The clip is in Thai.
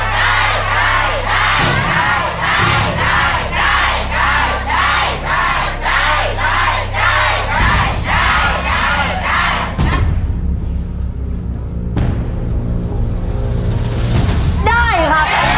เร็วเร็วเร็ว